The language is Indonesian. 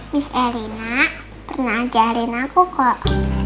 mis elina pernah ajarin aku kok